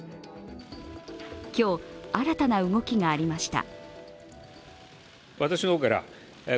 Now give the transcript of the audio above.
今日、新たな動きがありました。